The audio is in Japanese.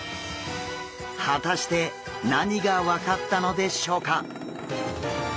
果たして何が分かったのでしょうか？